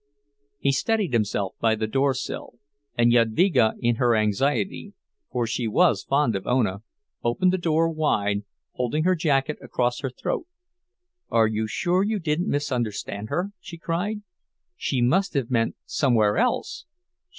He steadied himself by the door sill; and Jadvyga in her anxiety—for she was fond of Ona—opened the door wide, holding her jacket across her throat. "Are you sure you didn't misunderstand her?" she cried. "She must have meant somewhere else.